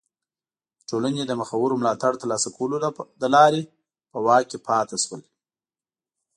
د ټولنې د مخورو ملاتړ ترلاسه کولو له لارې په واک کې پاتې شول.